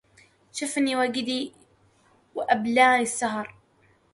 شفني وجدي وأبلاني السهر